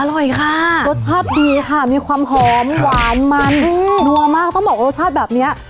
อร่อยค่ะรสชาติดีค่ะมีความหอมหวานมันนัวมากต้องบอกรสชาติแบบเนี้ย